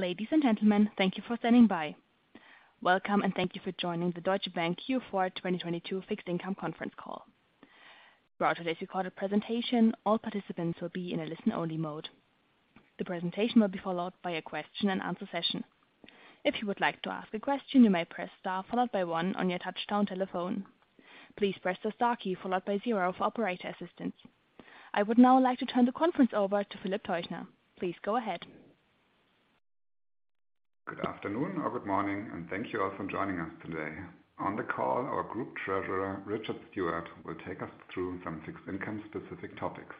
Ladies and gentlemen, thank you for standing by. Welcome, and thank you for joining the Deutsche Bank Q4 2022 Fixed Income conference call. Throughout today's recorded presentation, all participants will be in a listen-only mode. The presentation will be followed by a question-and-answer session. If you would like to ask a question, you may press Star followed by 1 on your touchtone telephone. Please press the Star key followed by 0 for operator assistance. I would now like to turn the conference over to Philip Teuchner. Please go ahead. Good afternoon or good morning. Thank you all for joining us today. On the call, our Group Treasurer, Richard Stewart, will take us through some fixed income specific topics.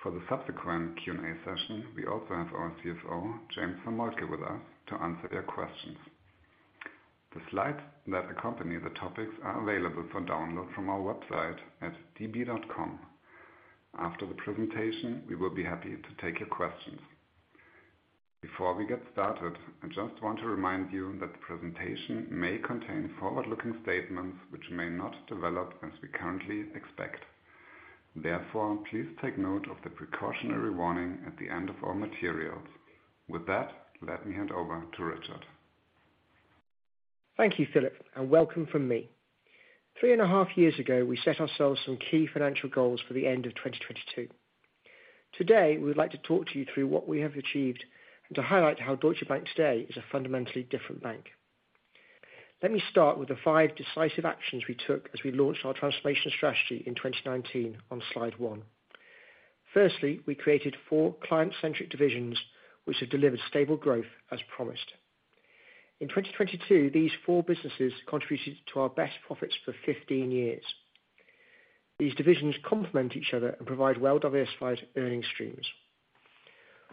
For the subsequent Q&A session, we also have our CFO, James von Moltke, with us to answer your questions. The slides that accompany the topics are available for download from our website at db.com. After the presentation, we will be happy to take your questions. Before we get started, I just want to remind you that the presentation may contain forward-looking statements which may not develop as we currently expect. Please take note of the precautionary warning at the end of our materials. With that, let me hand over to Richard. Thank you, Philip. Welcome from me. Three and a half years ago, we set ourselves some key financial goals for the end of 2022. Today, we would like to talk to you through what we have achieved and to highlight how Deutsche Bank today is a fundamentally different bank. Let me start with the five decisive actions we took as we launched our transformation strategy in 2019 on slide one. Firstly, we created four client-centric divisions which have delivered stable growth as promised. In 2022, these four businesses contributed to our best profits for 15 years. These divisions complement each other and provide well-diversified earning streams.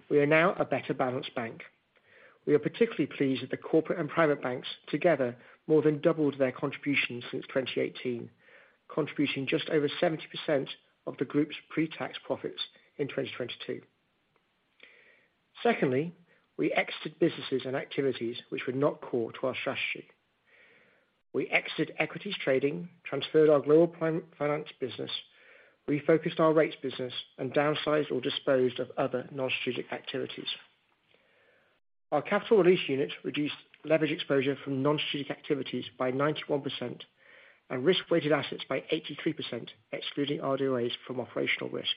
We are now a better balanced bank. We are particularly pleased that the Corporate and Private Banks together more than doubled their contributions since 2018, contributing just over 70% of the group's pre-tax profits in 2022. Secondly, we exited businesses and activities which were not core to our strategy. We exited equities trading, transferred our Global Prime Finance business, refocused our rates business, and downsized or disposed of other non-strategic activities. Our Capital Release Unit reduced leverage exposure from non-strategic activities by 91% and risk-weighted assets by 83%, excluding RDOAs from operational risk.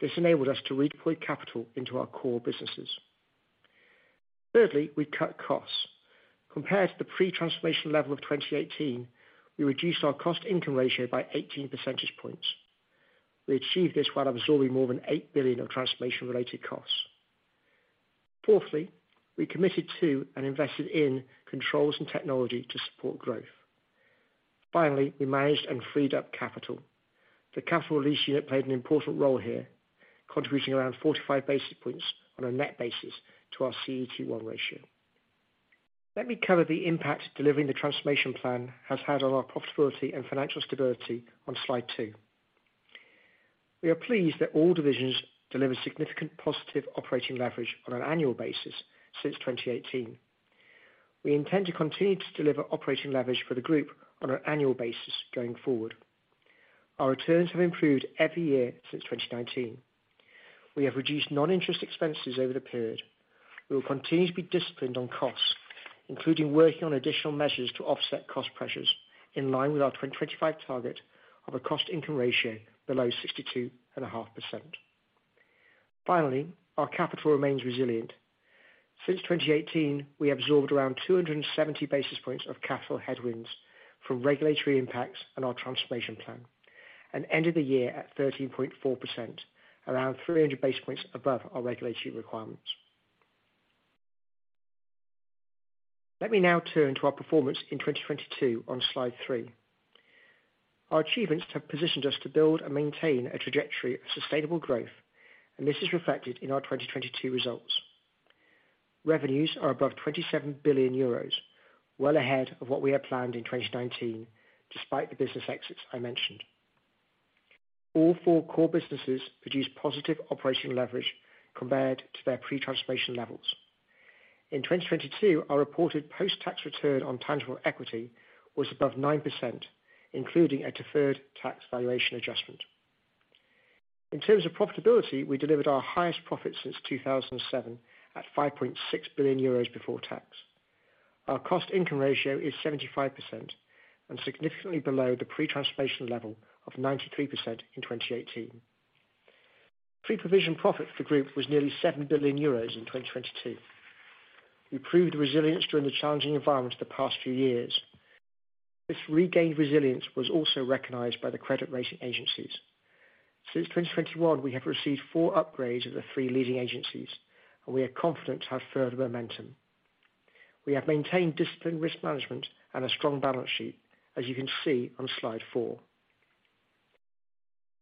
This enabled us to redeploy capital into our core businesses. Thirdly, we cut costs. Compared to the pre-transformation level of 2018, we reduced our cost-income ratio by 18 percentage points. We achieved this while absorbing more than 8 billion of transformation-related costs. Fourthly, we committed to and invested in controls and technology to support growth. Finally, we managed and freed up capital. The Capital Release Unit played an important role here, contributing around 45 basis points on a net basis to our CET1 ratio. Let me cover the impact delivering the transformation plan has had on our profitability and financial stability on slide two. We are pleased that all divisions delivered significant positive operating leverage on an annual basis since 2018. We intend to continue to deliver operating leverage for the group on an annual basis going forward. Our returns have improved every year since 2019. We have reduced non-interest expenses over the period. We will continue to be disciplined on costs, including working on additional measures to offset cost pressures in line with our 2025 target of a cost-income ratio below 62.5%. Finally, our capital remains resilient. Since 2018, we absorbed around 270 basis points of capital headwinds from regulatory impacts on our transformation plan and ended the year at 13.4%, around 300 basis points above our regulatory requirements. Let me now turn to our performance in 2022 on slide three. Our achievements have positioned us to build and maintain a trajectory of sustainable growth, this is reflected in our 2022 results. Revenues are above 27 billion euros, well ahead of what we had planned in 2019, despite the business exits I mentioned. All four core businesses produced positive operational leverage compared to their pre-transformation levels. In 2022, our reported post-tax return on tangible equity was above 9%, including a deferred tax valuation adjustment. In terms of profitability, we delivered our highest profit since 2007 at 5.6 billion euros before tax. Our cost-income ratio is 75%, significantly below the pre-transformation level of 93% in 2018. Pre-provision profit for group was nearly 7 billion euros in 2022. We proved resilience during the challenging environment of the past few years. This regained resilience was also recognized by the credit rating agencies. Since 2021, we have received four upgrades of the three leading agencies, and we are confident to have further momentum. We have maintained disciplined risk management and a strong balance sheet, as you can see on slide four.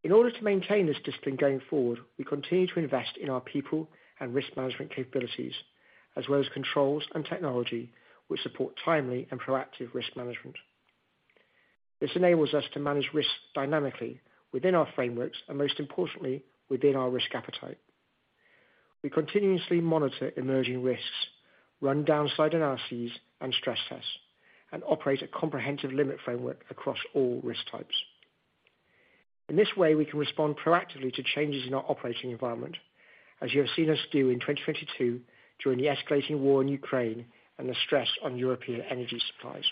In order to maintain this discipline going forward, we continue to invest in our people and risk management capabilities, as well as controls and technology, which support timely and proactive risk management. This enables us to manage risks dynamically within our frameworks and, most importantly, within our risk appetite. We continuously monitor emerging risks, run downside analyses and stress tests, and operate a comprehensive limit framework across all risk types. In this way, we can respond proactively to changes in our operating environment, as you have seen us do in 2022 during the escalating war in Ukraine and the stress on European energy supplies.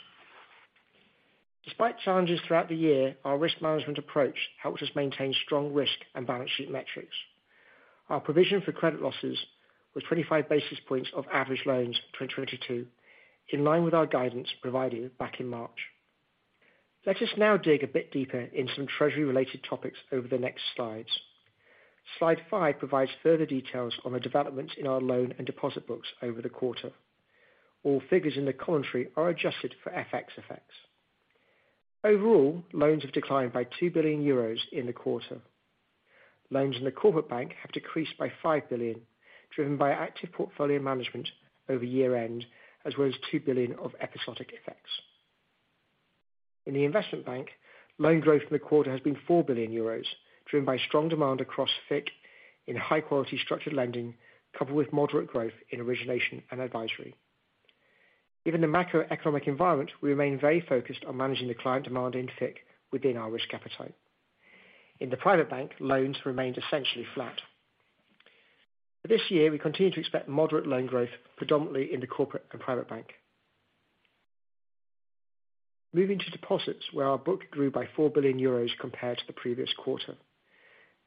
Despite challenges throughout the year, our risk management approach helps us maintain strong risk and balance sheet metrics. Our provision for credit losses was 25 basis points of average loans in 2022, in line with our guidance provided back in March. Let us now dig a bit deeper into some treasury related topics over the next slides. Slide five provides further details on the developments in our loan and deposit books over the quarter. All figures in the commentary are adjusted for FX effects. Overall, loans have declined by 2 billion euros in the quarter. Loans in the Corporate Bank have decreased by 5 billion, driven by active portfolio management over year-end, as well as 2 billion of episodic effects. In the Investment Bank, loan growth in the quarter has been 4 billion euros, driven by strong demand across FIC in high quality structured lending, coupled with moderate growth in origination and advisory. Given the macroeconomic environment, we remain very focused on managing the client demand in FIC within our risk appetite. In the Private Bank, loans remained essentially flat. For this year, we continue to expect moderate loan growth, predominantly in the Corporate Bank and Private Bank. Moving to deposits, where our book grew by 4 billion euros compared to the previous quarter.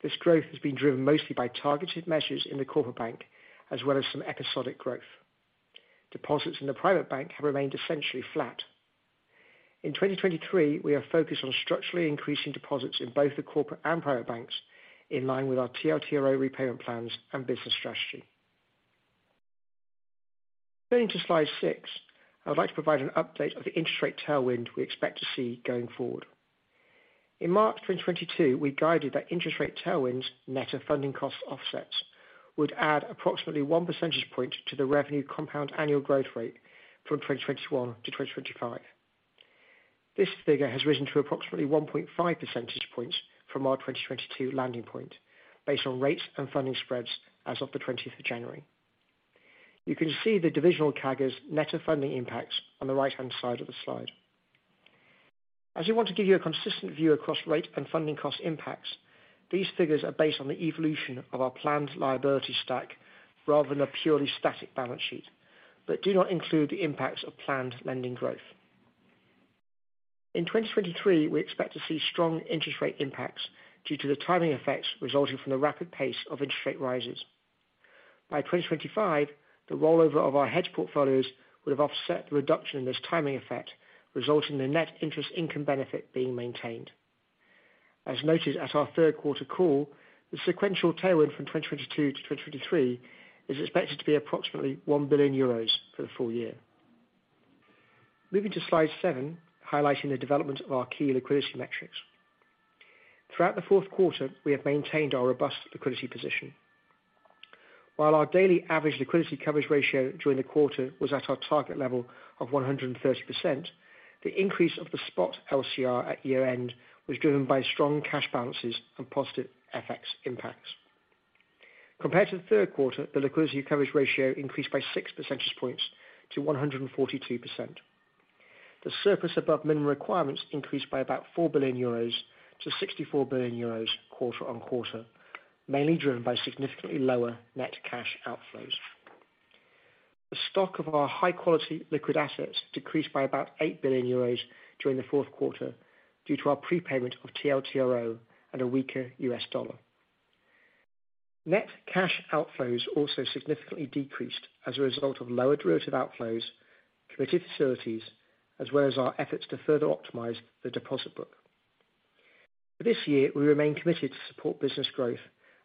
This growth has been driven mostly by targeted measures in the Corporate Bank, as well as some episodic growth. Deposits in the Private Bank have remained essentially flat. In 2023, we are focused on structurally increasing deposits in both the Corporate and Private Banks, in line with our TLTRO repayment plans and business strategy. Turning to slide six, I would like to provide an update of the interest rate tailwind we expect to see going forward. In March 2022, we guided that interest rate tailwinds net of funding cost offsets would add approximately 1 percentage point to the revenue compound annual growth rate from 2021 to 2025. This figure has risen to approximately 1.5 percentage points from our 2022 landing point based on rates and funding spreads as of the 20th of January. You can see the divisional CAGRs net of funding impacts on the right-hand side of the slide. As we want to give you a consistent view across rate and funding cost impacts, these figures are based on the evolution of our planned liability stack rather than a purely static balance sheet, but do not include the impacts of planned lending growth. In 2023, we expect to see strong interest rate impacts due to the timing effects resulting from the rapid pace of interest rate rises. By 2025, the rollover of our hedge portfolios will have offset the reduction in this timing effect, resulting in the net interest income benefit being maintained. Noted at our third quarter call, the sequential tailwind from 2022 to 2023 is expected to be approximately 1 billion euros for the full year. Moving to slide seven, highlighting the development of our key liquidity metrics. Throughout the fourth quarter, we have maintained our robust liquidity position. While our daily average liquidity coverage ratio during the quarter was at our target level of 130%, the increase of the spot LCR at year-end was driven by strong cash balances and positive FX impacts. Compared to the third quarter, the liquidity coverage ratio increased by 6 percentage points to 142%. The surplus above minimum requirements increased by about 4 billion euros to 64 billion euros quarter on quarter, mainly driven by significantly lower net cash outflows. The stock of our high quality liquid assets decreased by about 8 billion euros during the fourth quarter due to our prepayment of TLTRO and a weaker US dollar. Net cash outflows also significantly decreased as a result of lower derivative outflows, committed facilities, as well as our efforts to further optimize the deposit book. For this year, we remain committed to support business growth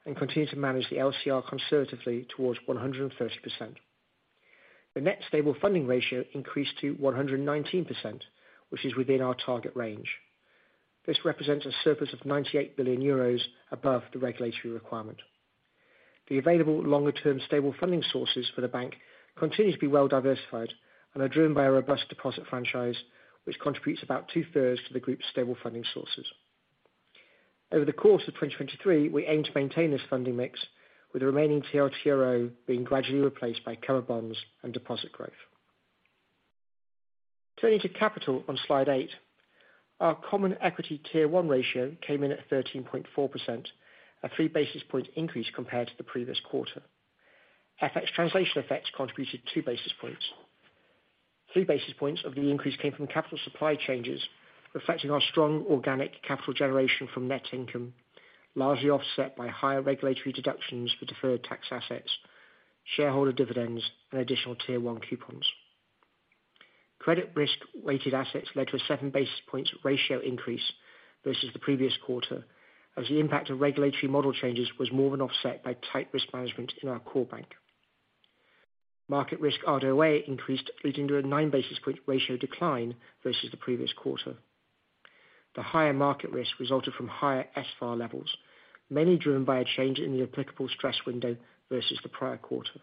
and continue to manage the LCR conservatively towards 130%. The net stable funding ratio increased to 119%, which is within our target range. This represents a surplus of 98 billion euros above the regulatory requirement. The available longer-term stable funding sources for the bank continue to be well diversified and are driven by a robust deposit franchise, which contributes about two-thirds to the group's stable funding sources. Over the course of 2023, we aim to maintain this funding mix, with the remaining TLTRO being gradually replaced by covered bonds and deposit growth. Turning to capital on slide 8, our common equity tier one ratio came in at 13.4%, a 3 basis point increase compared to the previous quarter. FX translation effects contributed 2 basis points. 3 basis points of the increase came from capital supply changes, reflecting our strong organic capital generation from net income, largely offset by higher regulatory deductions for deferred tax assets, shareholder dividends, and additional Tier 1 coupons. Credit risk weighted assets led to a 7 basis points ratio increase versus the previous quarter, as the impact of regulatory model changes was more than offset by tight risk management in our core bank. Market risk RWA increased, leading to a 9 basis point ratio decline versus the previous quarter. The higher market risk resulted from higher SFAR levels, mainly driven by a change in the applicable stress window versus the prior quarter.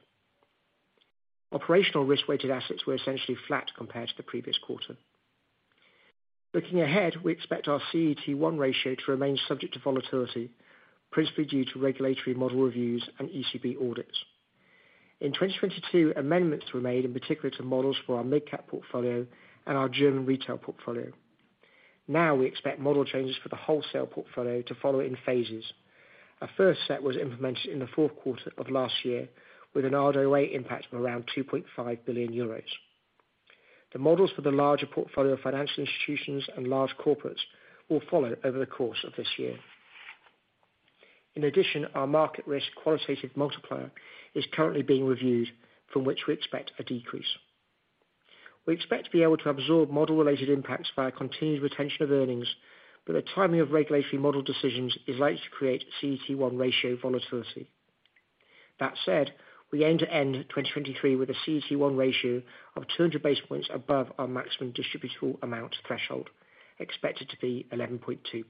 Operational risk weighted assets were essentially flat compared to the previous quarter. Looking ahead, we expect our CET1 ratio to remain subject to volatility, principally due to regulatory model reviews and ECB audits. 2022, amendments were made in particular to models for our midcap portfolio and our German retail portfolio. We expect model changes for the wholesale portfolio to follow in phases. Our first set was implemented in the fourth quarter of last year with an RWA impact of around 2.5 billion euros. The models for the larger portfolio of financial institutions and large corporates will follow over the course of this year. Our market risk qualitative multiplier is currently being reviewed from which we expect a decrease. We expect to be able to absorb model related impacts via continued retention of earnings, but the timing of regulatory model decisions is likely to create CET1 ratio volatility. That said, we aim to end 2023 with a CET1 ratio of 200 basis points above our maximum distributable amount threshold, expected to be 11.2%.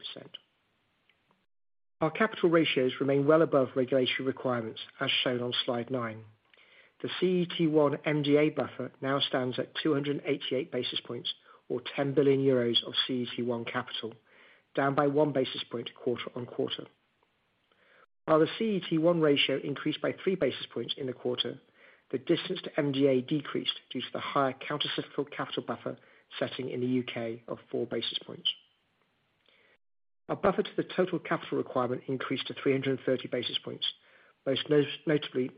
Our capital ratios remain well above regulatory requirements as shown on slide 9. The CET1 MDA buffer now stands at 288 basis points or 10 billion euros of CET1 capital, down by 1 basis point quarter-on-quarter. While the CET1 ratio increased by 3 basis points in the quarter, the distance to MDA decreased due to the higher countercyclical capital buffer setting in the UK of 4 basis points. Our buffer to the total capital requirement increased to 330 basis points, most notably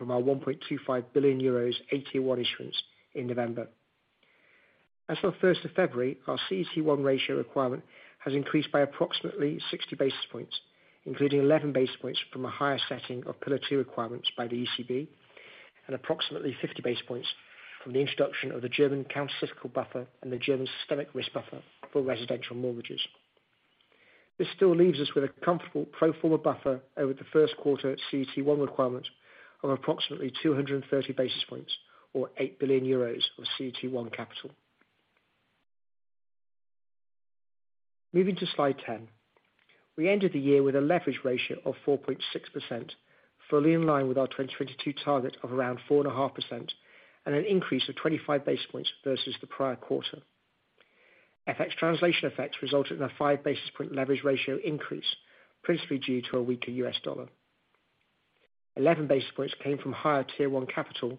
from our 1.25 billion euros AT1 issuance in November. As of first of February, our CET1 ratio requirement has increased by approximately 60 basis points, including 11 basis points from a higher setting of Pillar 2 requirements by the ECB and approximately 50 basis points from the introduction of the German countercyclical buffer and the German systemic risk buffer for residential mortgages. This still leaves us with a comfortable pro forma buffer over the first quarter CET1 requirement of approximately 230 basis points or 8 billion euros of CET1 capital. Moving to slide 10. We ended the year with a leverage ratio of 4.6%, fully in line with our 2022 target of around 4.5% and an increase of 25 basis points versus the prior quarter. FX translation effects resulted in a 5 basis point leverage ratio increase, principally due to a weaker US dollar. 11 basis points came from higher Tier 1 capital,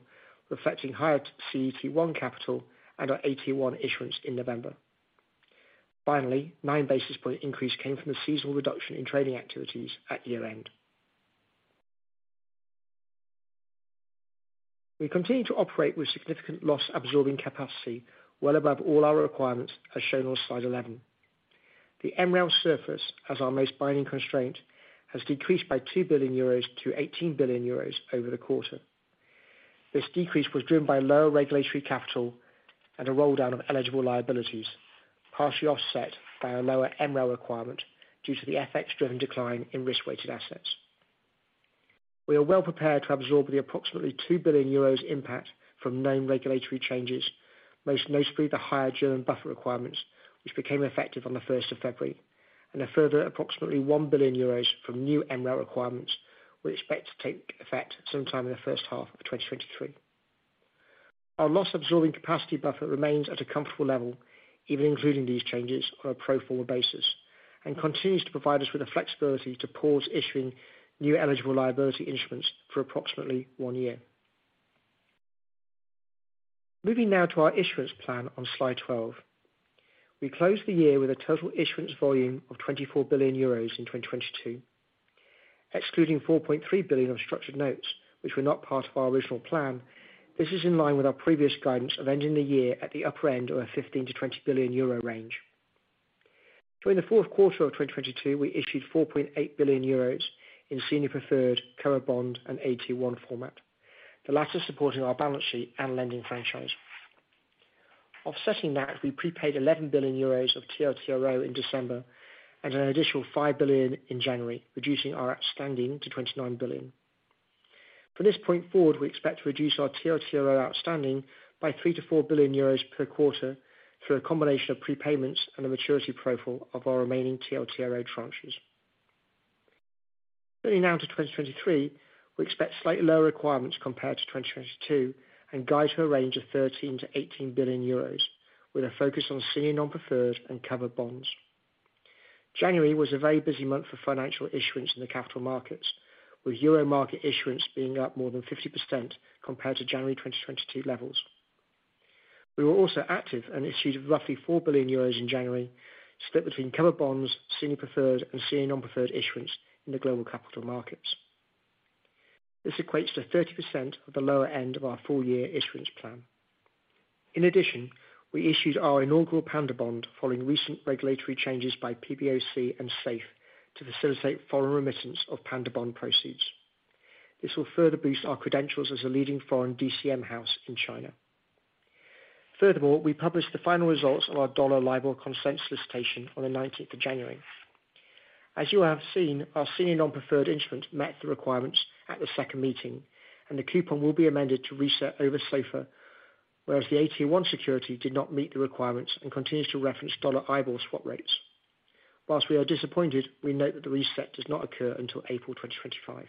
reflecting higher CET1 capital and our AT1 issuance in November. 9 basis point increase came from the seasonal reduction in trading activities at year-end. We continue to operate with significant loss absorbing capacity well above all our requirements, as shown on slide 11. The MREL surface, as our most binding constraint, has decreased by 2 billion euros to 18 billion euros over the quarter. This decrease was driven by lower regulatory capital and a rolldown of eligible liabilities, partially offset by a lower MREL requirement due to the FX driven decline in risk-weighted assets. We are well prepared to absorb the approximately 2 billion euros impact from known regulatory changes, most notably the higher German buffer requirements, which became effective on the first of February, and a further approximately 1 billion euros from new MREL requirements we expect to take effect sometime in the first half of 2023. Our loss absorbing capacity buffer remains at a comfortable level, even including these changes on a pro forma basis, and continues to provide us with the flexibility to pause issuing new eligible liability instruments for approximately one year. Moving now to our issuance plan on slide 12. We closed the year with a total issuance volume of 24 billion euros in 2022, excluding 4.3 billion of structured notes, which were not part of our original plan. This is in line with our previous guidance of ending the year at the upper end of a 15 billion-20 billion euro range. During the fourth quarter of 2022, we issued 4.8 billion euros in senior preferred, CoCo Bond and AT1 format, the latter supporting our balance sheet and lending franchise. Offsetting that, we prepaid 11 billions euros of TLTRO in December and an additional 5 billion in January, reducing our outstanding to 29 billion. For this point forward, we expect to reduce our TLTRO outstanding by 3 billion-4 billion euros per quarter through a combination of prepayments and the maturity profile of our remaining TLTRO tranches. Turning now to 2023, we expect slightly lower requirements compared to 2022 and guide to a range of 13 billion-18 billion euros with a focus on senior non-preferred and covered bonds. January was a very busy month for financial issuance in the capital markets, with EUR market issuance being up more than 50% compared to January 2022 levels. We were also active and issued roughly 4 billion euros in January, split between covered bonds, senior preferred and senior non-preferred issuance in the global capital markets. This equates to 30% of the lower end of our full year issuance plan. In addition, we issued our inaugural Panda bond following recent regulatory changes by PBOC and SAFE to facilitate foreign remittance of Panda bond proceeds. This will further boost our credentials as a leading foreign DCM house in China. Furthermore, we published the final results of our dollar LIBOR consent solicitation on the 19th of January. As you have seen, our senior non-preferred instrument met the requirements at the second meeting and the coupon will be amended to reset over SOFR, whereas the AT1 security did not meet the requirements and continues to reference dollar IBOR swap rates. Whilst we are disappointed, we note that the reset does not occur until April 2025.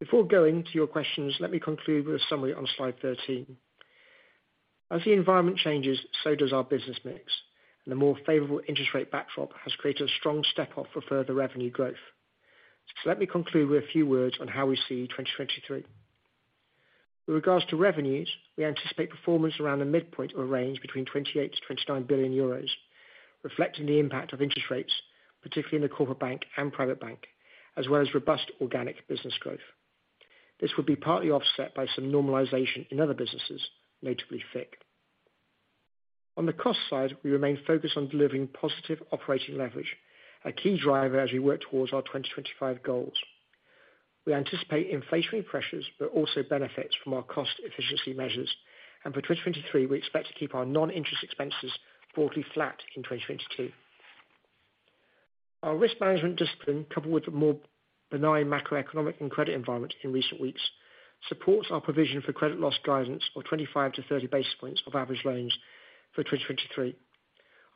Before going to your questions, let me conclude with a summary on slide 13. As the environment changes, so does our business mix, and the more favorable interest rate backdrop has created a strong step up for further revenue growth. Let me conclude with a few words on how we see 2023. With regards to revenues, we anticipate performance around the midpoint or range between 28 billion-29 billion euros, reflecting the impact of interest rates, particularly in the Corporate Bank and Private Bank, as well as robust organic business growth. This will be partly offset by some normalization in other businesses, notably FIC. On the cost side, we remain focused on delivering positive operating leverage, a key driver as we work towards our 2025 goals. We anticipate inflationary pressures but also benefits from our cost efficiency measures. For 2023, we expect to keep our non-interest expenses broadly flat in 2022. Our risk management discipline, coupled with more benign macroeconomic and credit environment in recent weeks, supports our provision for credit loss guidance of 25 to 30 basis points of average loans for 2023.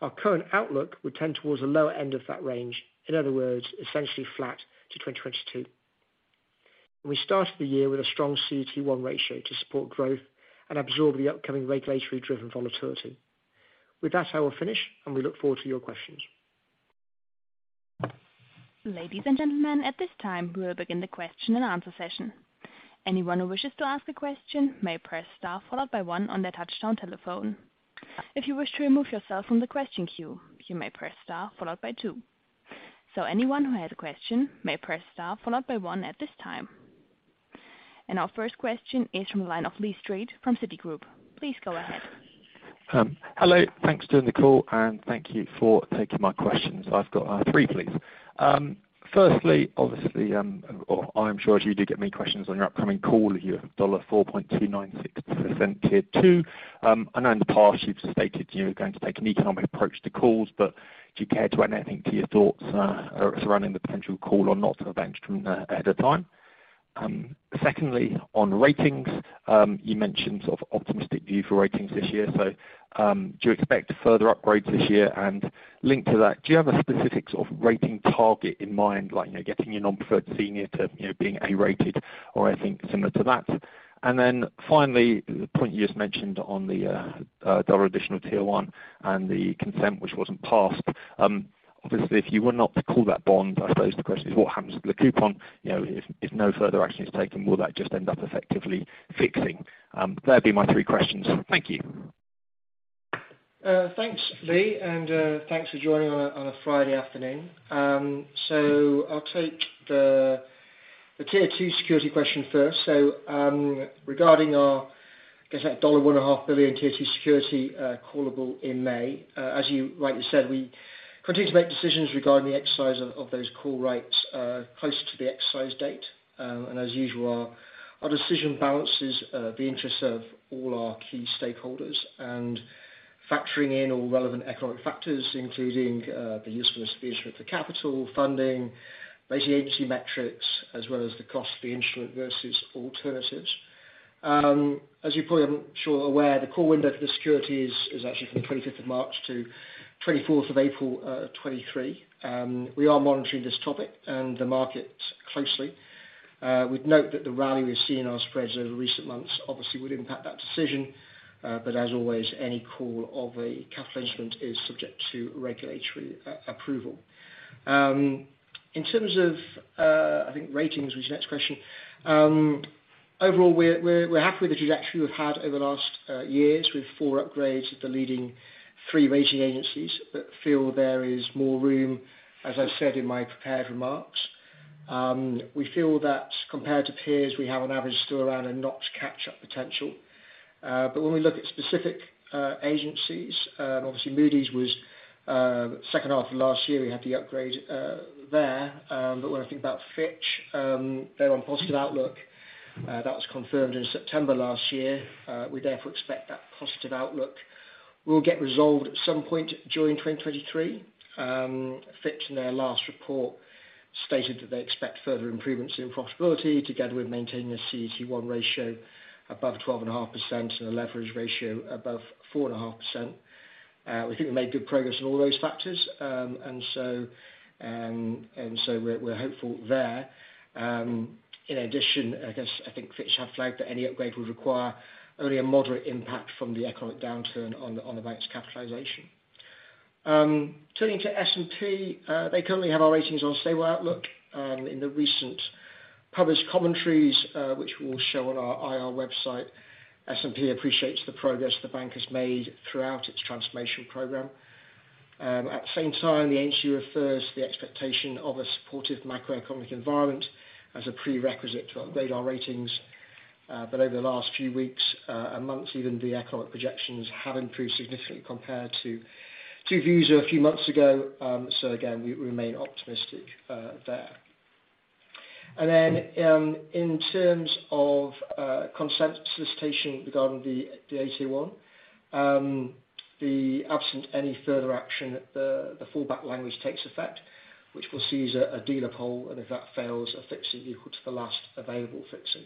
Our current outlook would tend towards the lower end of that range. In other words, essentially flat to 2022. We started the year with a strong CET1 ratio to support growth and absorb the upcoming regulatory driven volatility. With that, I will finish and we look forward to your questions. Ladies and gentlemen, at this time, we will begin the question-and-answer session. Anyone who wishes to ask a question may press star followed by one on their touchdown telephone. If you wish to remove yourself from the question queue, you may press star followed by two. Anyone who has a question may press star followed by one at this time. Our first question is from the line of Lee Street from Citigroup. Please go ahead. Hello. Thanks for doing the call, and thank you for taking my questions. I've got three, please. Firstly, obviously, I'm sure as you do get many questions on your upcoming call, you have 4.296% Tier 2. I know in the past you've stated you're going to take an economic approach to calls. Do you care to add anything to your thoughts surrounding the potential call or not so advantaged ahead of time? Secondly, on ratings, you mentioned sort of optimistic view for ratings this year. Do you expect further upgrades this year? Linked to that, do you have a specific sort of rating target in mind, like, you know, getting your senior non-preferred to, you know, being A-rated or anything similar to that? Finally, the point you just mentioned on the dollar additional tier one and the consent which wasn't passed. Obviously, if you were not to call that bond, I suppose the question is what happens with the coupon? You know, if no further action is taken, will that just end up effectively fixing? That'd be my three questions. Thank you. Thanks, Lee, and thanks for joining on a Friday afternoon. I'll take the Tier 2 security question first. Regarding our, I guess, our dollar one and a half billion Tier 2 security, callable in May. As you rightly said, we continue to make decisions regarding the exercise of those call rights close to the exercise date. As usual, our decision balances the interests of all our key stakeholders and factoring in all relevant economic factors, including the usefulness of the issue with the capital, funding, rating agency metrics, as well as the cost of the instrument versus alternatives. As you probably are sure aware, the call window for the security is actually from the 25th of March to 24th of April 2023. We are monitoring this topic and the market closely. We'd note that the rally we've seen in our spreads over recent months obviously would impact that decision. As always, any call of a capital instrument is subject to regulatory approval. In terms of, I think ratings was your next question. Overall, we are happy with the trajectory we've had over the last years with four upgrades at the leading three rating agencies, but feel there is more room, as I've said in my prepared remarks. We feel that compared to peers; we have on average still around a notch catch-up potential. When we look at specific agencies, obviously Moody's was second half of last year, we had the upgrade there. When I think about Fitch, they're on positive outlook. That was confirmed in September last year. We therefore expect that positive outlook will get resolved at some point during 2023. Fitch in their last report stated that they expect further improvements in profitability together with maintaining a CET1 ratio above 12.5% and a leverage ratio above 4.5%. We think we made good progress on all those factors. So, we're hopeful there. In addition, I guess I think Fitch have flagged that any upgrade would require only a moderate impact from the economic downturn on the, on the bank's capitalization. Turning to S&P, they currently have our ratings on stable outlook. In the recent published commentaries, which will show on our IR website, S&P appreciates the progress the bank has made throughout its transformational program. At the same time, the agency refers to the expectation of a supportive macroeconomic environment as a prerequisite to upgrade our ratings. Over the last few weeks and months even, the economic projections have improved significantly compared to views a few months ago. Again, we remain optimistic there. In terms of consent solicitation regarding the AT1, absent any further action, the fallback language takes effect, which we'll see is a dealer poll, and if that fails, a fixing equal to the last available fixing.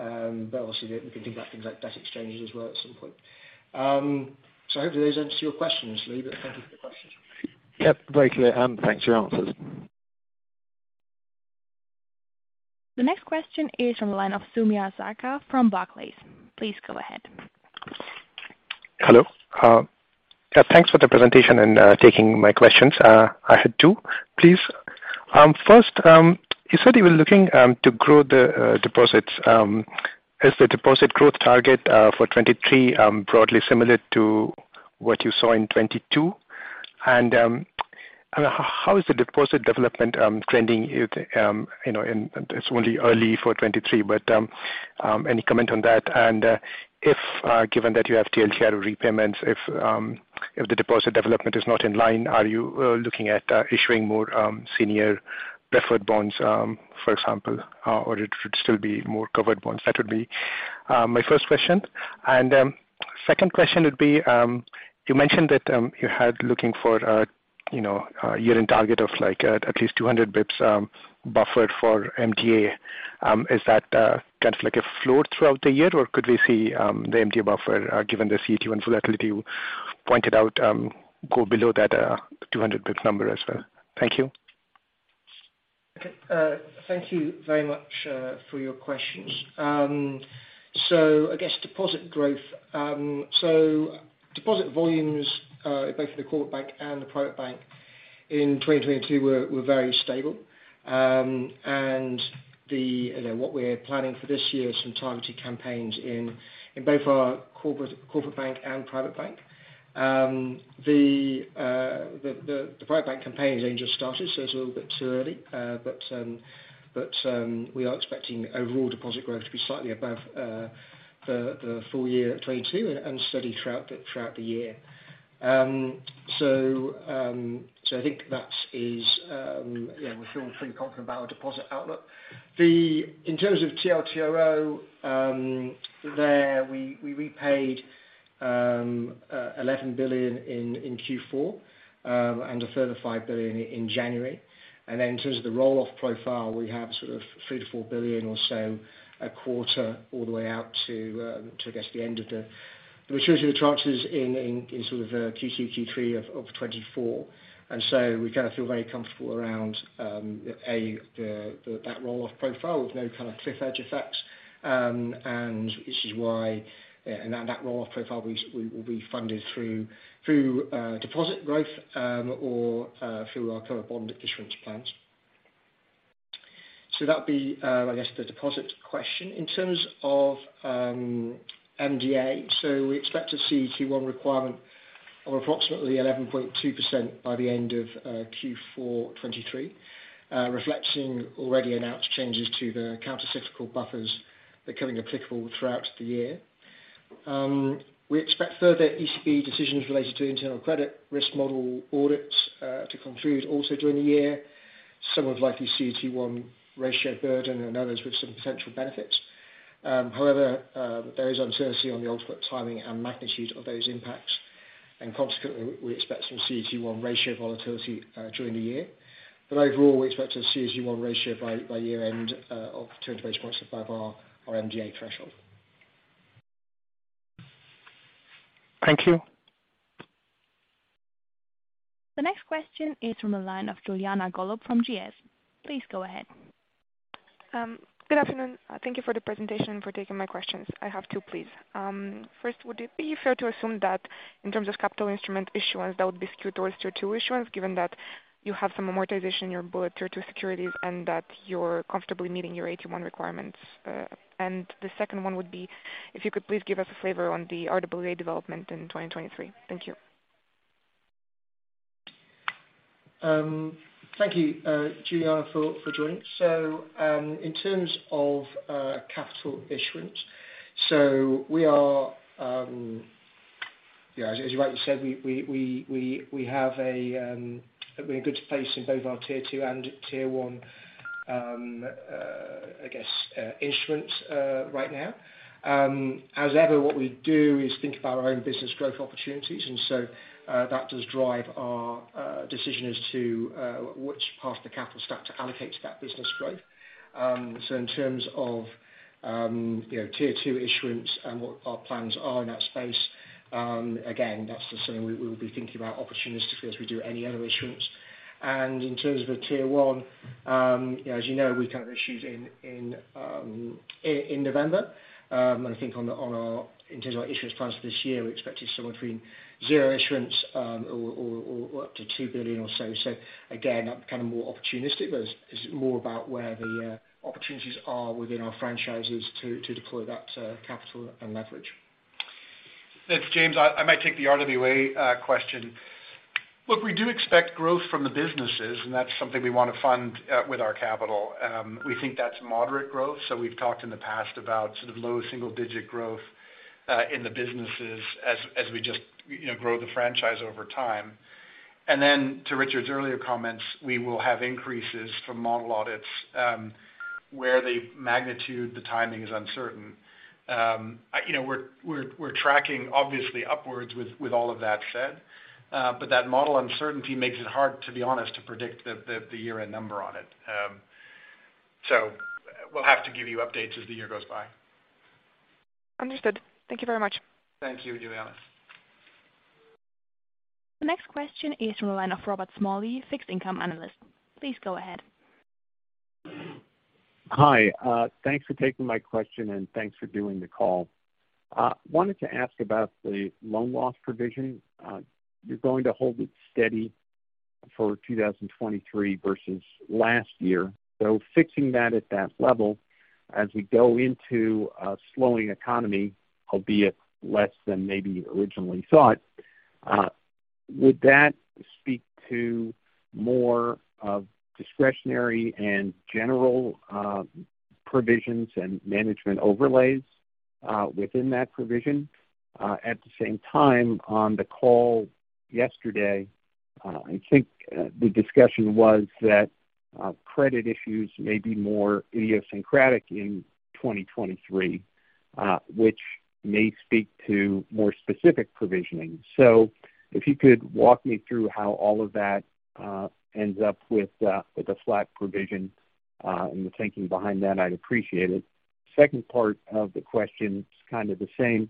Obviously, we can do that thing like debt exchanges as well at some point. Hopefully those answer your questions, Lee, but thank you for the questions. Yep, very clear, and thanks for your answers. The next question is from the line of Soumya Sarkar from Barclays. Please go ahead. Hello. Yeah, thanks for the presentation and taking my questions. I had two please. First, you said you were looking to grow the deposits. Is the deposit growth target for 2023 broadly similar to what you saw in 2022? How is the deposit development trending? You know, it's only early for 2023, but any comment on that? If given that you have TLTRO repayments, if the deposit development is not in line, are you looking at issuing more senior preferred bonds, for example, or it would still be more covered bonds? That would be my first question. Second question would be, you mentioned that, you had looking for a, you know, a year-end target of like, at least 200 basis points, buffered for MDA. Is that kind of like a floor throughout the year, or could we see the MDA buffer, given the CET1 volatility you pointed out, go below that 200 basis points number as well? Thank you. Okay. Thank you very much for your questions. I guess deposit growth. Deposit volumes, both for the Corporate Bank and the Private Bank in 2022 were very stable. The, you know, what we're planning for this year is some targeted campaigns in both our Corporate Bank and Private Bank. The Private Bank campaign has only just started, so it's a little bit too early. But we are expecting overall deposit growth to be slightly above the full year at 2022 and steady throughout the year. I think that is, yeah, we feel pretty confident about our deposit outlook. In terms of TLTRO, there we repaid, 11 billion in Q4, and a further 5 billion in January. In terms of the roll-off profile, we have sort of 3 billion-4 billion or so a quarter all the way out to I guess the end of the maturity of the tranches in, in sort of Q2, Q3 of 2024. We kind of feel very comfortable around that roll-off profile with no kind of cliff edge effect. This is why, and that roll-off profile we will be funded through deposit growth, or through our current bond issuance plans. That would be, I guess the deposit question. In terms of MDA, we expect to see Q1 requirement of approximately 11.2% by the end of Q4 2023, reflecting already announced changes to the countercyclical buffers becoming applicable throughout the year. We expect further ECB decisions related to internal credit risk model audits to conclude also during the year. Some with likely CET1 ratio burden and others with some potential benefits. However, there is uncertainty on the ultimate timing and magnitude of those impacts, and consequently, we expect some CET1 ratio volatility during the year. Overall, we expect a CET1 ratio by year end of 20 basis points above our MDA threshold. Thank you. The next question is from the line of Iuliana Golub from GS. Please go ahead. Good afternoon. Thank you for the presentation and for taking my questions. I have 2, please. First, would it be fair to assume that in terms of capital instrument issuance, that would be skewed towards your two issuance, given that you have some amortization in your bullet Tier 2 securities and that you're comfortably meeting your AT1 requirements? The second one would be if you could please give us a flavor on the RWA development in 2023. Thank you. Thank you, Iuliana, for joining. In terms of capital issuance, we are, yeah, as you rightly said, we have a, we're in a good place in both our tier two and tier one, I guess, instruments right now. As ever, what we do is think about our own business growth opportunities, that does drive our decision as to which part of the capital stack to allocate to that business growth. In terms of, you know, Tier 2 issuance and what our plans are in that space, again, that's just something we will be thinking about opportunistically as we do any other issuance. In terms of Tier 1, as you know, we kind of issued in November, I think on our in terms of our issuance plans for this year, we expected somewhere between zero issuance, or up to 2 billion or so. Again, that would be kind of more opportunistic, but it's more about where the opportunities are within our franchises to deploy that capital and leverage. It's James. I might take the RWA question. Look, we do expect growth from the businesses, and that's something we want to fund with our capital. We think that's moderate growth. We've talked in the past about sort of low single digit growth in the businesses as we just, you know, grow the franchise over time. To Richard's earlier comments, we will have increases from model audits, where the magnitude, the timing is uncertain. You know, we're tracking obviously upwards with all of that said, but that model uncertainty makes it hard, to be honest, to predict the year-end number on it. We'll have to give you updates as the year goes by. Understood. Thank you very much. Thank you, luliana. The next question is from the line of Robert Smalley, Fixed Income Analyst. Please go ahead. Hi, thanks for taking my question, and thanks for doing the call. Wanted to ask about the loan loss provision. You're going to hold it steady for 2023 versus last year. Fixing that at that level as we go into a slowing economy, albeit less than maybe originally thought, would that speak to more of discretionary and general provisions and management overlays within that provision? At the same time, on the call yesterday, I think, the discussion was that, credit issues may be more idiosyncratic in 2023, which may speak to more specific provisioning. If you could walk me through how all of that ends up with a flat provision, and the thinking behind that, I'd appreciate it. Second part of the question is kind of the same.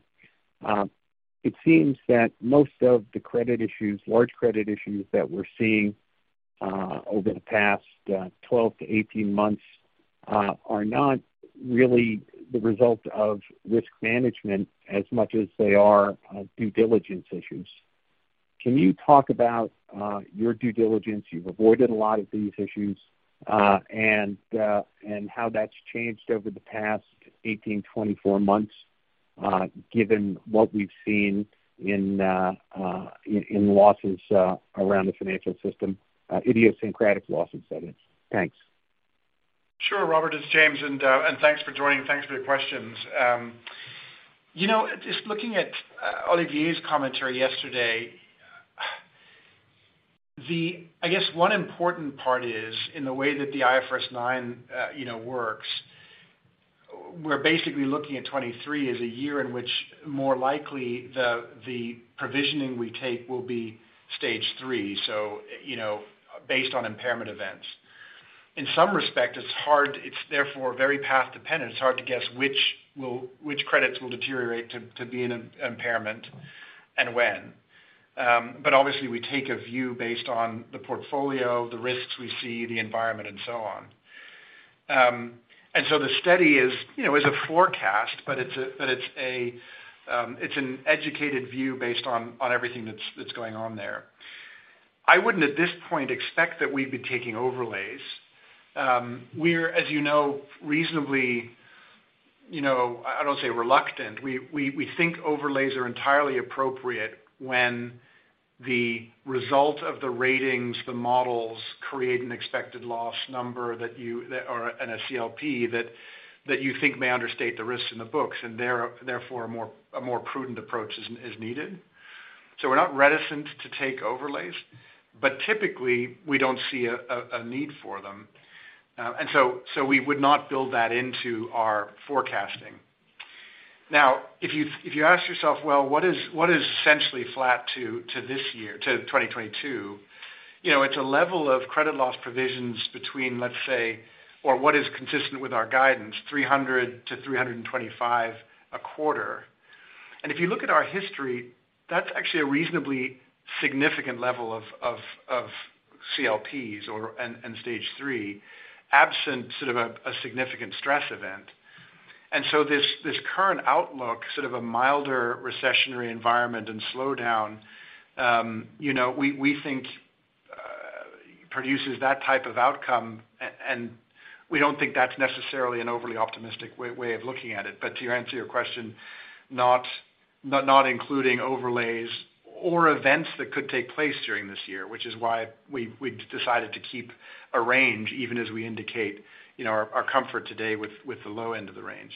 It seems that most of the credit issues, large credit issues that we're seeing, over the past 12 to 18 months, are not really the result of risk management as much as they are, due diligence issues. Can you talk about your due diligence? You've avoided a lot of these issues, and how that's changed over the past 18, 24 months, given what we've seen in losses around the financial system, idiosyncratic losses, that is? Thanks. Sure. Robert, it's James, and thanks for joining. Thanks for your questions. You know, just looking at Olivier's commentary yesterday, I guess one important part is in the way that the IFRS 9, you know, works, we're basically looking at 2023 as a year in which more likely the provisioning we take will be Stage 3, so, you know, based on impairment events. In some respect, it's therefore very path dependent. It's hard to guess which credits will deteriorate to be an impairment and when. Obviously we take a view based on the portfolio, the risks we see, the environment and so on. The study is, you know, is a forecast, but it's a, it's an educated view based on everything that's going on there. I wouldn't at this point expect that we'd be taking overlays. We're, as you know, reasonably, you know, I don't want to say reluctant. We think overlays are entirely appropriate when the result of the ratings, the models create an expected loss number that you or NSCLP that you think may understate the risks in the books and therefore a more prudent approach is needed. We're not reticent to take overlays, but typically we don't see a need for them. We would not build that into our forecasting. Now, if you ask yourself, well, what is essentially flat to this year, to 2022? You know, it's a level of credit loss provisions between, let's say, or what is consistent with our guidance, 300-325 a quarter. If you look at our history, that's actually a reasonably significant level of CLPs or and Stage 3, absent sort of a significant stress event. This, this current outlook, sort of a milder recessionary environment and slowdown, you know, we think produces that type of outcome. And we don't think that's necessarily an overly optimistic way of looking at it. To answer your question, not including overlays or events that could take place during this year, which is why we decided to keep a range even as we indicate, you know, our comfort today with the low end of the range.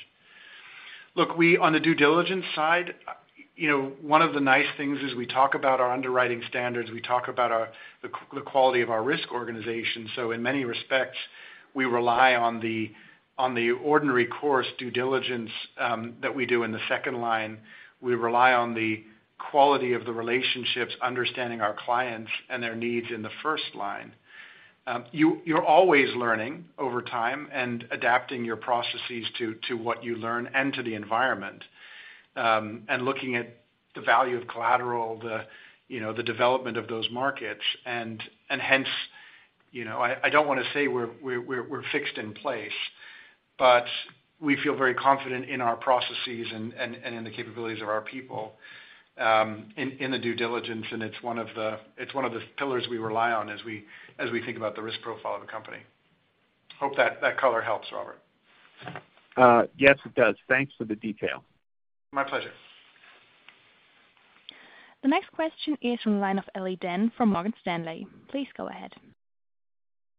Look, on the due diligence side, you know, one of the nice things is we talk about our underwriting standards, we talk about the quality of our risk organization. In many respects, we rely on the ordinary course due diligence that we do in the second line. We rely on the quality of the relationships, understanding our clients and their needs in the first line. You're always learning over time and adapting your processes to what you learn and to the environment, looking at the value of collateral, the, you know, the development of those markets. Hence, you know, I don't wanna say we're fixed in place, but we feel very confident in our processes and in the capabilities of our people in the due diligence. It's one of the pillars we rely on as we think about the risk profile of the company. Hope that color helps, Robert. Yes, it does. Thanks for the detail. My pleasure. The next question is from the line of Ellie [Dann] from Morgan Stanley. Please go ahead.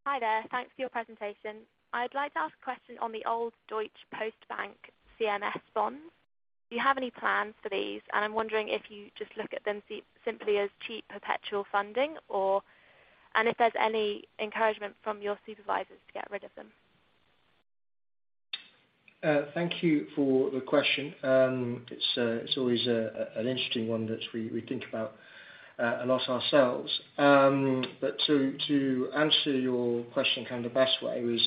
Hi there. Thanks for your presentation. I'd like to ask a question on the old Deutsche Postbank CMS bonds. Do you have any plans for these? I'm wondering if you just look at them simply as cheap perpetual funding, and if there's any encouragement from your supervisors to get rid of them. Thank you for the question. It's always an interesting one that we think about a lot ourselves. To answer your question kind of the best way is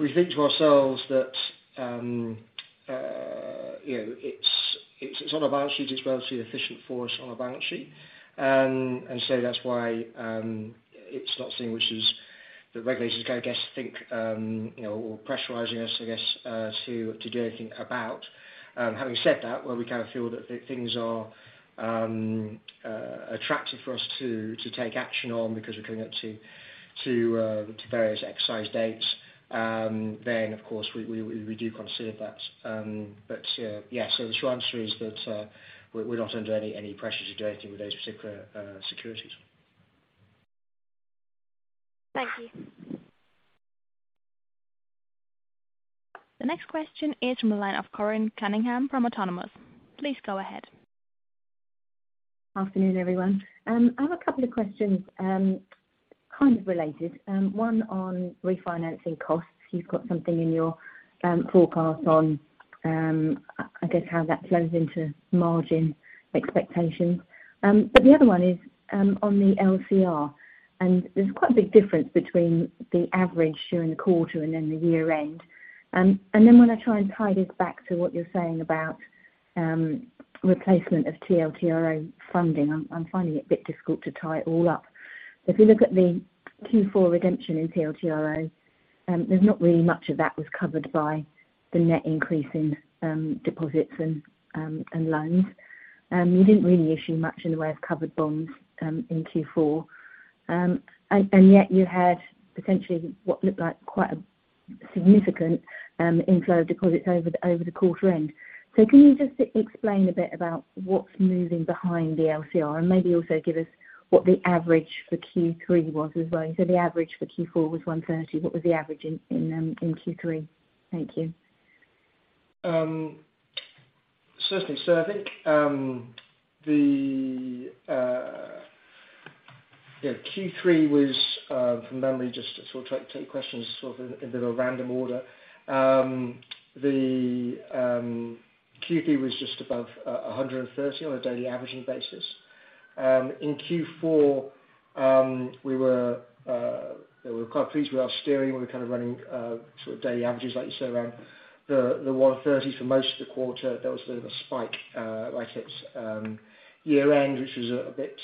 we think to ourselves that You know, it's on our balance sheets, it's relatively efficient for us on our balance sheet. That's why it's not seen which is the regulators, I guess, think, you know, or pressurizing us, I guess, to do anything about. Having said that, where we kind of feel that things are attractive for us to take action on because we're coming up to various exercise dates, then of course, we do consider that. Yeah. The short answer is that we're not under any pressure to do anything with those particular securities. Thank you. The next question is from the line of Corinne Cunningham from Autonomous. Please go ahead. Afternoon, everyone. I have a couple of questions, kind of related. One on refinancing costs. You've got something in your forecast on, I guess how that flows into margin expectations. The other one is on the LCR, and there's quite a big difference between the average during the quarter and then the year-end. When I try and tie this back to what you're saying about replacement of TLTRO funding, I'm finding it a bit difficult to tie it all up. If you look at the Q4 redemption in TLTRO, there's not really much of that was covered by the net increase in deposits and loans. You didn't really issue much in the way of covered bonds in Q4. Yet you had potentially what looked like quite a significant inflow of deposits over the, over the quarter end. Can you just explain a bit about what's moving behind the LCR and maybe also give us what the average for Q3 was as well? You said the average for Q4 was 130. What was the average in Q3? Thank you. Certainly. I think, you know Q3 was from memory just to sort of try to take questions sort of in a bit of a random order. The Q3 was just above 130 on a daily averaging basis. In Q4, we were quite pleased with our steering. We were kind of running sort of daily averages, like you say, around the 130 for most of the quarter. There was a bit of a spike right at year-end, which was a bit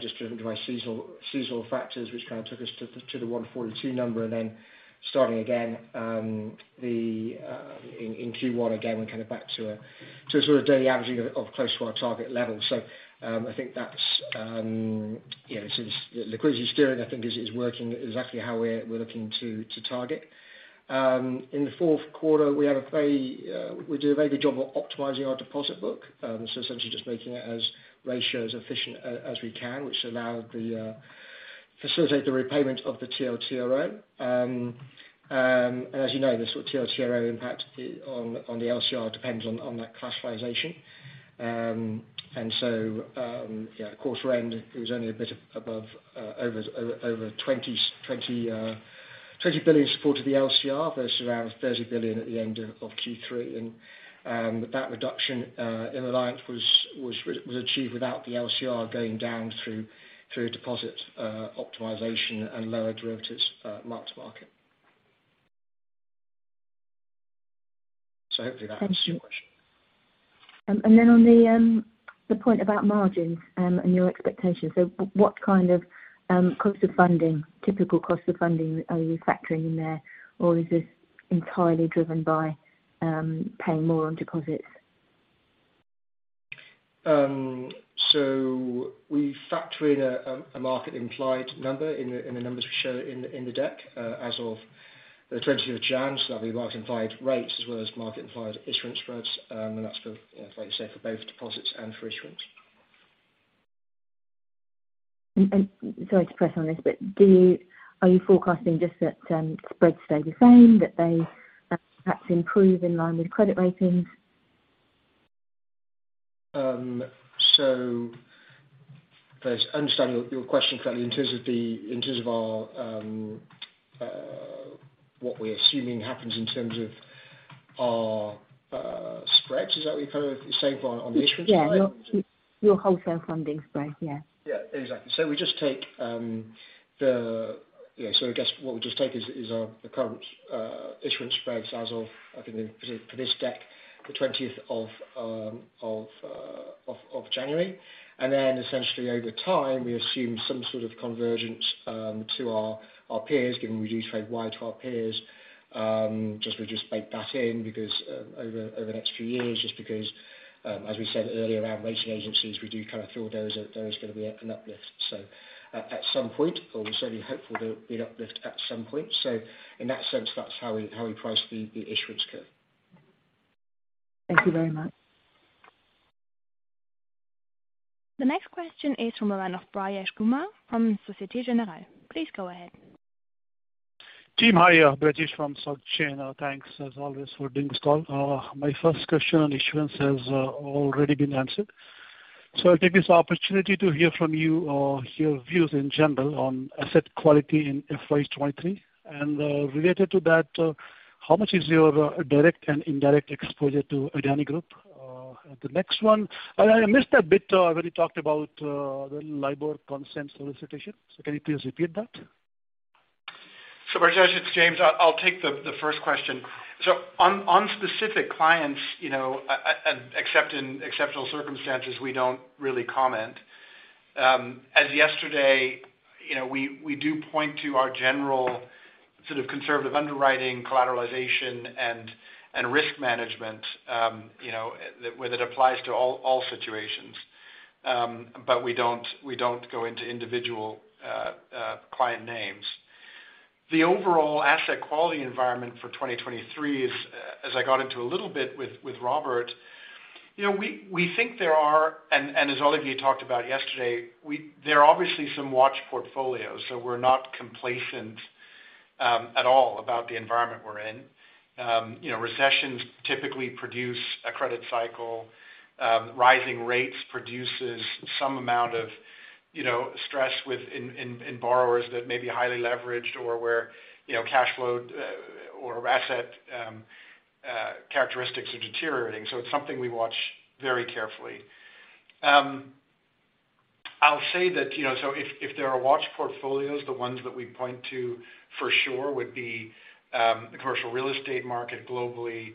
just driven by seasonal factors which kind of took us to the 142 number 9. Starting again, in Q1 again, we're kind of back to a sort of daily averaging of close to our target level. I think that's, you know, the liquidity steering I think is working exactly how we're looking to target. In the fourth quarter, we had a very good job of optimizing our deposit book. Essentially just making it as ratio efficient as we can, which allowed the facilitate the repayment of the TLTRO. As you know, the sort of TLTRO impact on the LCR depends on that classification. Yeah, at quarter end, it was only a bit above 20 billion support of the LCR versus around 30 billion at the end of Q3.That reduction in reliance was achieved without the LCR going down through deposit optimization and lower derivatives marked to market. Hopefully that answers your question. Thank you. On the point about margins and your expectations. What kind of cost of funding, typical cost of funding are you factoring in there? Is this entirely driven by paying more on deposits? We factor in a market implied number in the numbers we show in the deck. As of the 20th of January, so that'll be market implied rates as well as market implied issuance spreads. That's for, you know, like you say, for both deposits and for issuance. Sorry to press on this, but are you forecasting just that spreads stay the same, that they perhaps improve in line with credit ratings? First, understanding your question correctly in terms of our, what we're assuming happens in terms of our spreads. Is that what you're kind of saying far on the issuance side? Yeah. Your wholesale funding spread, yeah. Exactly. We just take the current issuance spreads as of, I think, the, for this deck, the 20th of January. Essentially over time, we assume some sort of convergence to our peers, given we do trade wide to our peers. Just we just bake that in because over the next few years, just because as we said earlier around rating agencies, we do kind of feel there is gonna be an uplift. At some point or certainly hopeful there'll be an uplift at some point. In that sense, that's how we price the issuance curve. Thank you very much. The next question is from the line of Brajesh Kumar from Société Générale. Please go ahead. Team, hi Brajesh from SocGen. Thanks as always for doing this call. My first question on issuance has already been answered. I'll take this opportunity to hear from you, your views in general on asset quality in FY 2023. Related to that, how much is your direct and indirect exposure to Adani Group? The next one. I missed a bit when you talked about the LIBOR consent solicitation. Can you please repeat that? Mr. Brajesh, it's James. I'll take the first question. On specific clients, you know, except in exceptional circumstances, we don't really comment. As yesterday, you know, we do point to our general sort of conservative underwriting collateralization and risk management, you know, whether it applies to all situations. But we don't go into individual client names. The overall asset quality environment for 2023 is, as I got into a little bit with Robert, you know, we think there are and as all of you talked about yesterday, there are obviously some watch portfolios, so we're not complacent at all about the environment we're in. You know, recessions typically produce a credit cycle. Rising rates produces some amount of, you know, stress in borrowers that may be highly leveraged or where, you know, cash flow or asset characteristics are deteriorating. It's something we watch very carefully. I'll say that, you know, if there are watch portfolios, the ones that we point to for sure would be the commercial real estate market globally,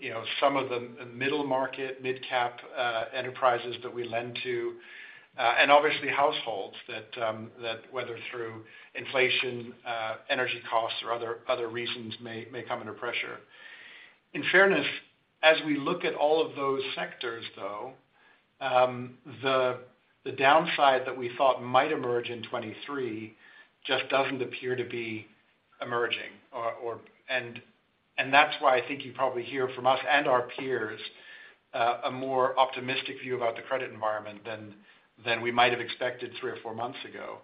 you know, some of the middle market, midcap enterprises that we lend to, and obviously households that whether through inflation, energy costs or other reasons may come under pressure. In fairness, as we look at all of those sectors, though, the downside that we thought might emerge in 2023 just doesn't appear to be emerging. That's why I think you probably hear from us and our peers, a more optimistic view about the credit environment than we might have expected three or four months ago.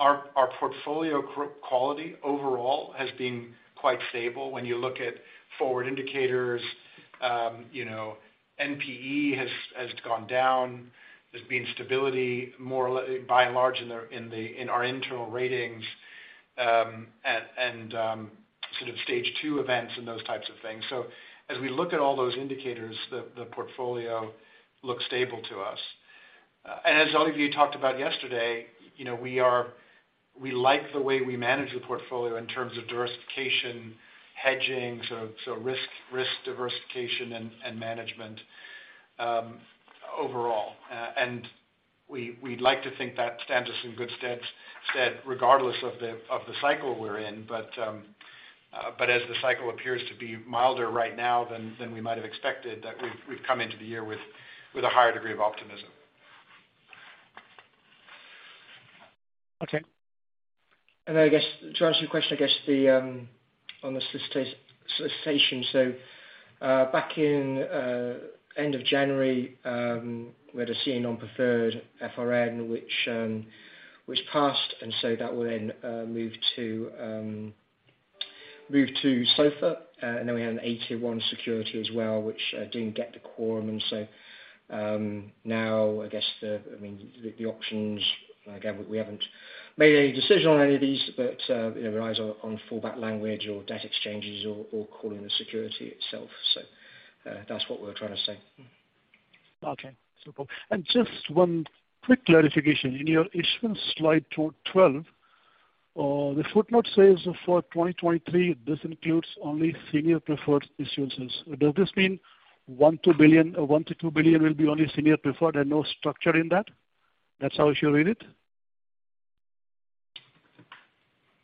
Our portfolio quality overall has been quite stable. When you look at forward indicators, you know, NPE has gone down. There's been stability more or by and large in our internal ratings, and sort of Stage 2 events and those types of things. As we look at all those indicators, the portfolio looks stable to us. As all of you talked about yesterday, you know, we like the way we manage the portfolio in terms of diversification, hedging, so risk diversification and management overall. We'd like to think that stands us in good stead regardless of the cycle we're in. As the cycle appears to be milder right now than we might have expected, that we've come into the year with a higher degree of optimism. Okay. I guess to answer your question, I guess the on the solicitation. Back in end of January, we had a senior non-preferred FRN which passed, and so that will then move to SOFA. Then we had an AT1 security as well, which didn't get the quorum. Now, I guess the, I mean, the options, again, we haven't made any decision on any of these, but, you know, relies on fallback language or debt exchanges or calling the security itself. That's what we're trying to say. Okay. Super. Just one quick clarification. In your issuance slide twelve, the footnote says for 2023, this includes only senior preferred issuances. Does this mean 1 to billion or 1 billion-2 billion will be only senior preferred and no structure in that? That's how I should read it?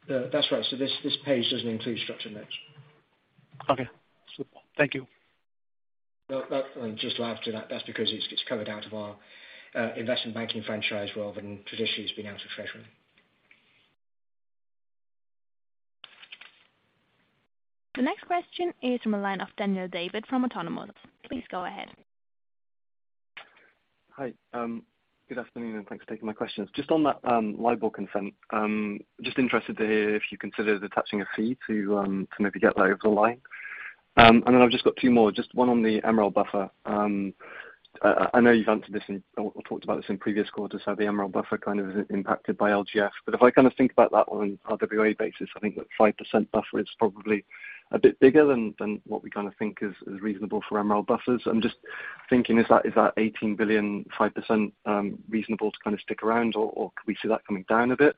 Yeah, that's right. This page doesn't include structured notes. Okay. Super. Thank you. No, that. Just to add to that's because it's covered out of our investment banking franchise rather than traditionally it's been out of treasury. The next question is from a line of Daniel David from Autonomous. Please go ahead. Hi. Good afternoon, and thanks for taking my questions. Just on that, LIBOR consent, just interested to hear if you considered attaching a fee to maybe get that over the line. I've just got two more, just one on the MREL buffer. I know you've answered this in or talked about this in previous quarters, how the MREL buffer kind of is impacted by LGF. If I kind of think about that on RWA basis, I think that 5% buffer is probably a bit bigger than what we kind of think is reasonable for MREL buffers. I'm just thinking, is that 18 billion, 5%, reasonable to kind of stick around or could we see that coming down a bit?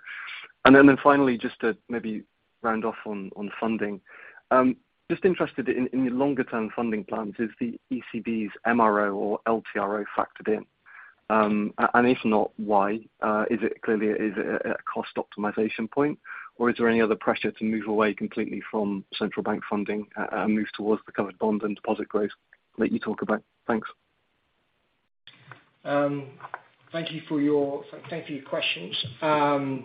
finally, just to maybe round off on funding, just interested in the longer term funding plans, is the ECB's MRO or LTRO factored in? If not, why? Is it clearly a cost optimization point, or is there any other pressure to move away completely from central bank funding and move towards the covered bond and deposit growth that you talk about? Thanks. Thank you for your questions. I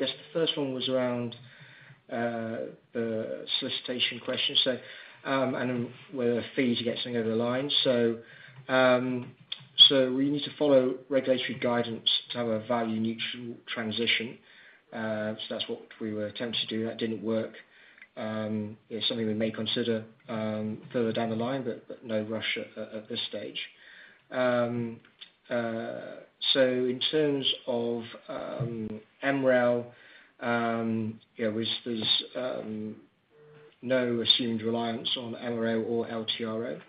guess the first one was around the solicitation question. And then whether a fee to get something over the line. We need to follow regulatory guidance to have a value neutral transition. That's what we were attempting to do. That didn't work. You know, something we may consider further down the line, but no rush at this stage. In terms of MREL, there's No assumed reliance on MRO or LTRO.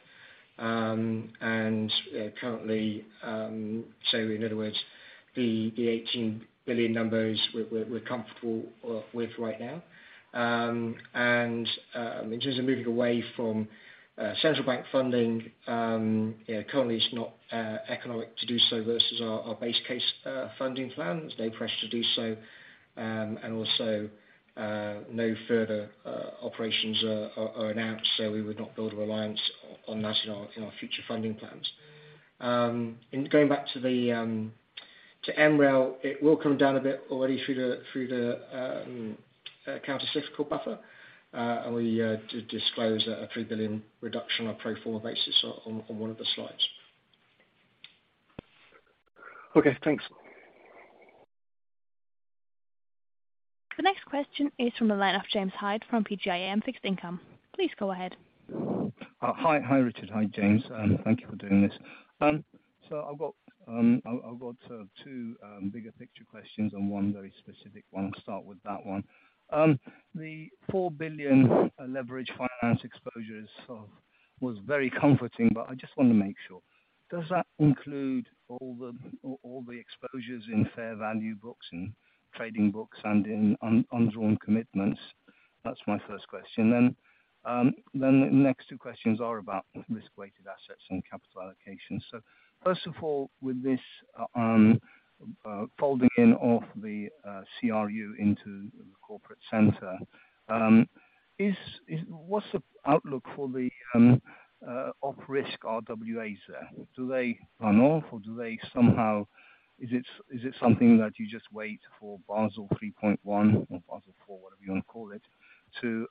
Currently, so in other words, the 18 billion numbers we're comfortable with right now. In terms of moving away from central bank funding, yeah, currently it's not economic to do so versus our base case funding plans. No pressure to do so. Also, no further operations are announced, so we would not build a reliance on that in our future funding plans. Going back to MREL, it will come down a bit already through the countercyclical buffer. We did disclose a 3 billion reduction on a pro forma basis on one of the slides. Okay, thanks. The next question is from the line of James Hyde from PGIM Fixed Income. Please go ahead. Hi. Hi, Richard. Hi, James. Thank you for doing this. I've got two bigger picture questions and one very specific one. I'll start with that one. The 4 billion leverage finance exposures of was very comforting, but I just wanna make sure. Does that include all the exposures in fair value books and trading books and in undrawn commitments? That's my first question. The next two questions are about risk-weighted assets and capital allocation. First of all, with this folding in of the CRU into the corporate center, what's the outlook for the op risk RWAs there? Do they run off or do they somehow... Is it something that you just wait for Basel 3.1 or Basel IV, whatever you wanna call it, to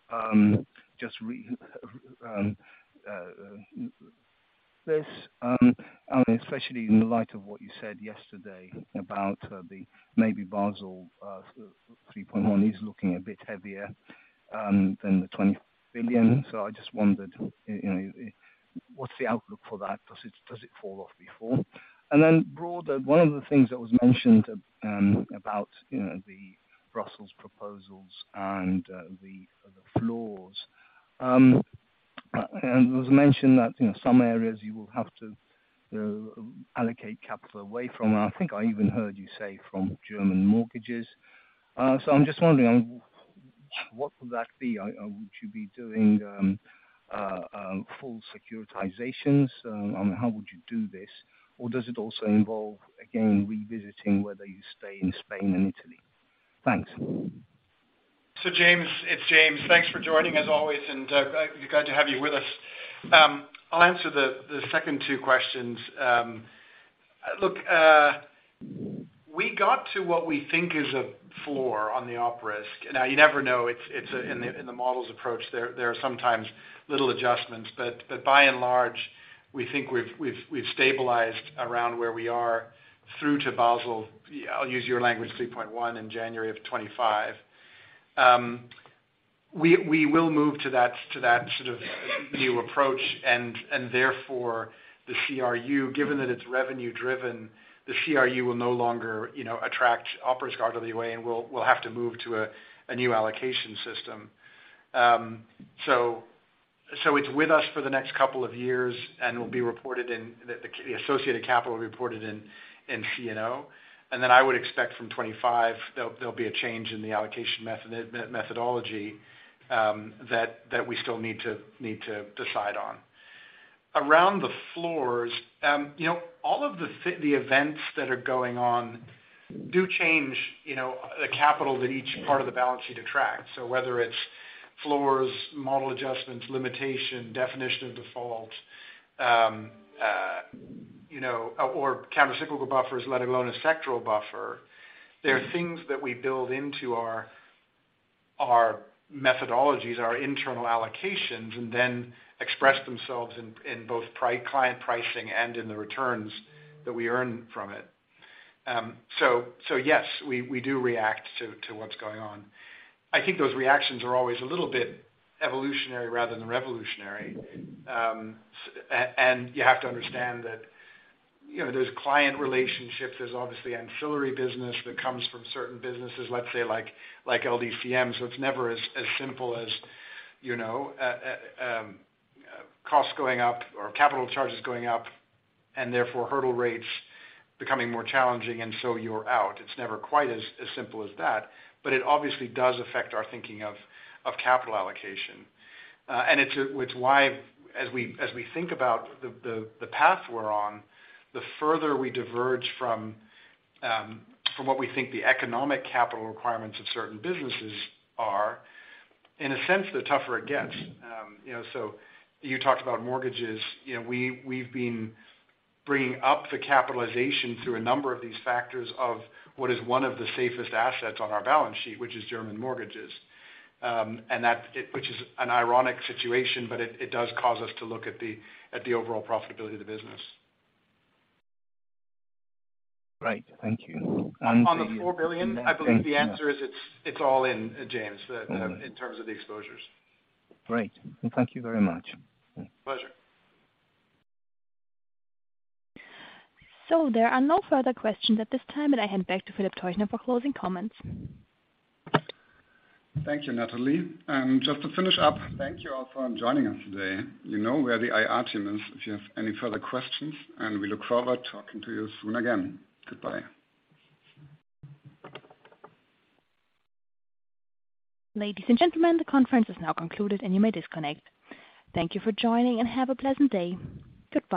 this, especially in light of what you said yesterday about the maybe Basel 3.1 is looking a bit heavier than the 20 billion. I just wondered, you know, what's the outlook for that? Does it fall off before? Broader, one of the things that was mentioned about, you know, the Brussels proposals and the floors. It was mentioned that, you know, some areas you will have to, you know, allocate capital away from. I think I even heard you say from German mortgages. I'm just wondering, what would that be? Would you be doing full securitizations? How would you do this? Does it also involve, again, revisiting whether you stay in Spain and Italy? Thanks. James, it's James. Thanks for joining as always, and glad to have you with us. I'll answer the second two questions. Look, we got to what we think is a floor on the op risk. Now, you never know. It's in the model's approach. There are sometimes little adjustments, but by and large, we think we've stabilized around where we are through to Basel 3.1 in January of 2025. We will move to that sort of new approach and therefore the CRU, given that its revenue driven, the CRU will no longer, you know, attract op risk RWA, and we'll have to move to a new allocation system. It's with us for the next couple of years and will be reported in the associated capital reported in CNO. Then I would expect from 2025, there'll be a change in the allocation methodology that we still need to decide on. Around the floors, you know, all of the events that are going on do change, you know, the capital that each part of the balance sheet attracts. Whether it's floors, model adjustments, limitation, definition of default, you know, or countercyclical buffers, let alone a sectoral buffer. There are things that we build into our methodologies, our internal allocations, and then express themselves in both client pricing and in the returns that we earn from it. Yes, we do react to what's going on. I think those reactions are always a little bit evolutionary rather than revolutionary. You have to understand that, you know, there's client relationships. There's obviously ancillary business that comes from certain businesses, let's say like LDCM. It's never as simple as, you know, costs going up or capital charges going up, and therefore hurdle rates becoming more challenging, and so you're out. It's never quite as simple as that, but it obviously does affect our thinking of capital allocation. It's, it's why as we, as we think about the, the path we're on, the further we diverge from what we think the economic capital requirements of certain businesses are, in a sense, the tougher it gets. You know, you talked about mortgages. You know, we've been bringing up the capitalization through a number of these factors of what is one of the safest assets on our balance sheet, which is German mortgages, which is an ironic situation, but it does cause us to look at the overall profitability of the business. Right. Thank you. On the $4 billion, I believe the answer is it's all in, James, in terms of the exposures. Great. Thank you very much. Pleasure. There are no further questions at this time. I hand back to Philip Teuchner for closing comments. Thank you, Natalie. Just to finish up, thank you all for joining us today. You know where the IR team is if you have any further questions, and we look forward talking to you soon again. Goodbye. Ladies and gentlemen, the conference is now concluded, and you may disconnect. Thank you for joining and have a pleasant day. Goodbye.